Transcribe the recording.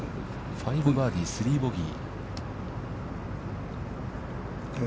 ５バーディー３ボギー。